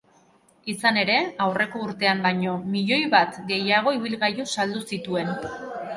Izan ere, aurreko urtean baino milioi bat gehiago ibilgailu saldu zituen.